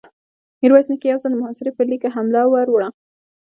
ميرويس نيکه يو ځل د محاصرې پر ليکې حمله ور وړه.